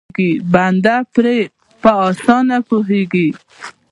بنده پرې په اسانه پوهېږي.